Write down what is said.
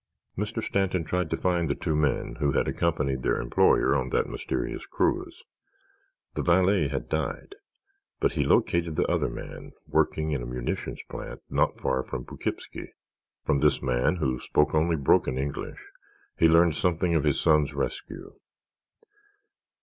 Mr. Stanton tried to find the two men who had accompanied their employer on that mysterious cruise. The valet had died, but he located the other man working in a munitions plant not far from Poughkeepsie. From this man, who spoke only broken English, he learned something of his son's rescue.